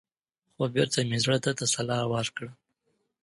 خـو بـېرته مـې زړه تـه تـسلا ورکړه.